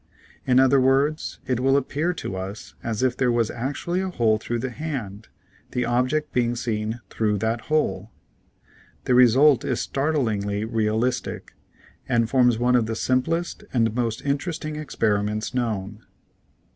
In other words, it will appear to us as if there was actually a hole through the hand, the object being seen through that hole. The result is start lingly realistic, and forms one of the simplest and most interesting experiments known.